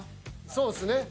そうですね。